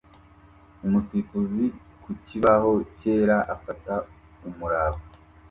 Umusifuzi ku kibaho cyera afata umuraba